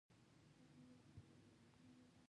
احمد د واده ډوډۍ په دواړو ژامو وخوړه.